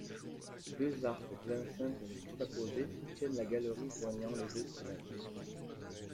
Deux arcs plein cintre juxtaposés soutiennent la galerie joignant les deux tourelles.